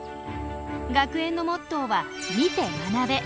学園のモットーは「見て学べ」。